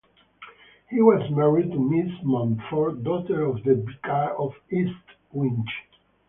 He was married to Miss Montford daughter of the Vicar of East Winch.